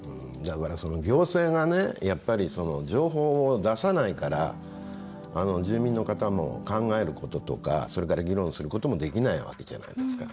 だから、行政が情報を出さないから住民の方も考えることとかそれから議論することもできないわけじゃないですか。